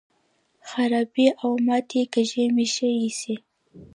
خرابې او ماتې کاږي مې ښې ایسي.